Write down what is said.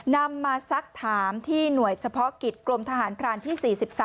นำมาซักถามที่หน่วยเฉพาะกิจกรมทหารพรานที่๔๓